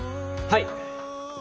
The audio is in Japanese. はい！